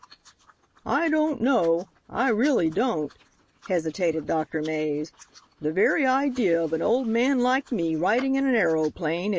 "I don't know, I really don't," hesitated Dr. Mays. "The very idea of an old man like me riding in an aeroplane.